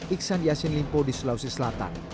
iksan yassin limpo di sulawesi selatan